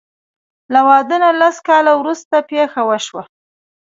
له واده نه لس کاله وروسته پېښه وشوه.